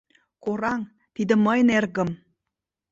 — Кораҥ, тиде мыйын эргым!